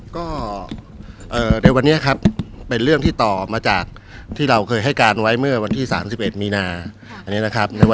ก็ในวันนี้ครับเป็นเรื่องที่ต่อมาจากที่เราเคยให้การไว้เมื่อวันที่๓๑มีนาอันนี้นะครับ